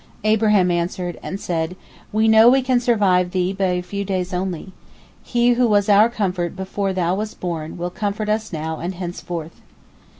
Abraham answered, and said, "We know we can survive thee by a few days only. He who was our Comfort before thou wast born, will comfort us now and henceforth."